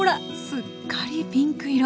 すっかりピンク色。